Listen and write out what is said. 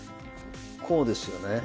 こうですよね？